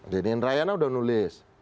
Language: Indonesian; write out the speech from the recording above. denin rayana udah nulis